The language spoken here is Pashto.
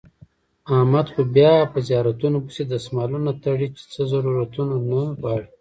احمد خو بیا په زیارتونو پسې دسمالونه تړي چې څه ضرورتو نه غواړي.